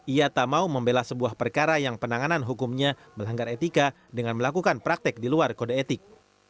ia tak mau membela sebuah perkara yang penanganan hukumnya melanggar etika dengan melakukan praktek di luar kode etik